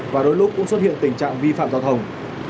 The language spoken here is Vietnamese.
và đôi lúc cũng xuất hiện tình trạng vi phạm giao thông